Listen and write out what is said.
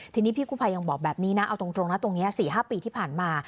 ทีนี้พี่กู้ภัยยังบอกแบบนี้นะเอาตรงนะตรงนี้๔๕ปีที่ผ่านมา